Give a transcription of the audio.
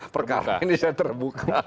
perkara ini sudah terbuka